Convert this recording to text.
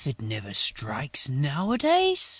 "It never strikes nowadays...."